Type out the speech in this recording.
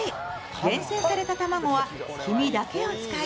厳選された卵は黄身だけを使い